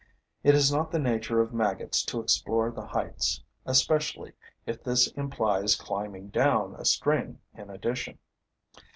It is not in the nature of maggots to explore the heights, especially if this implies climbing down a string in addition.